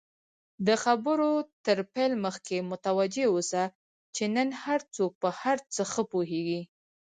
د خبرو تر پیل مخکی متوجه اوسه، چی نن هرڅوک په هرڅه ښه پوهیږي!